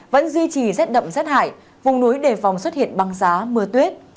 vẫn duy trì rét đậm rét hại vùng núi đề phòng xuất hiện băng giá mưa tuyết